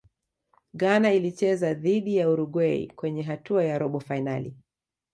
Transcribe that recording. ghana ilicheza dhidi ya uruguay kwenye hatua ya robo fainali